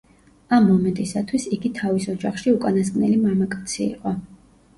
ამ მომენტისათვის, იგი თავის ოჯახში უკანასკნელი მამაკაცი იყო.